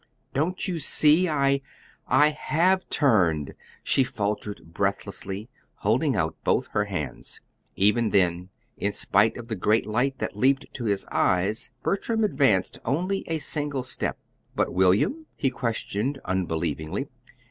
"Don't you see? I I HAVE turned," she faltered breathlessly, holding out both her hands. Even then, in spite of the great light that leaped to his eyes, Bertram advanced only a single step. "But William?" he questioned, unbelievingly.